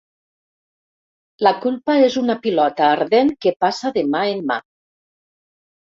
La culpa és una pilota ardent que passa de mà en mà.